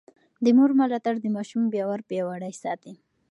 د مور ملاتړ د ماشوم باور پياوړی ساتي.